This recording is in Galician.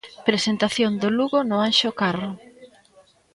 Presentación do Lugo no Anxo Carro.